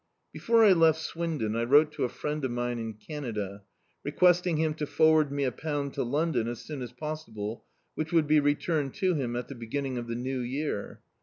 Before I left Swindoo I wrote to a friend of mine in Canada, requesting him to forward me a pound to Lcmdon, as soon as possible, which would be returned to him at the beginning of the new year.